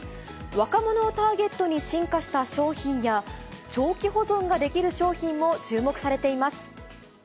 若者をターゲットに進化した商品や、長期保存ができる商品も注目されています。